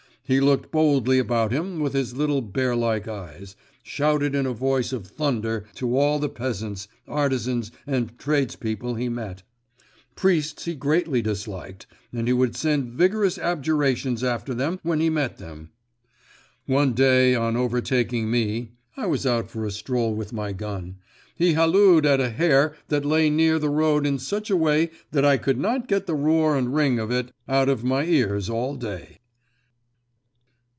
He looked boldly about him with his little bear like eyes, shouted in a voice of thunder to all the peasants, artisans, and tradespeople he met. Priests he greatly disliked, and he would send vigorous abjurations after them when he met them. One day on overtaking me (I was out for a stroll with my gun), he hallooed at a hare that lay near the road in such a way that I could not get the roar and ring of it out of my ears all day.